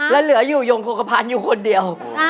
แล้วเหลืออยู่ยงโฆษภัณฑ์อยู่คนเดียว